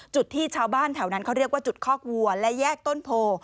จุดที่ชาวบ้านแถวนั้นเขาเรียกว่าจุดคอกวัวและแยกต้นโพ